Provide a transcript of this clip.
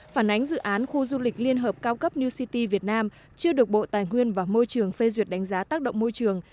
phản ánh dự án khu du lịch liên hợp cao cấp new city việt nam chưa được bộ tài nguyên và môi trường phê duyệt đánh giá tác động môi trường